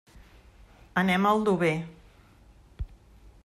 Anem a Aldover.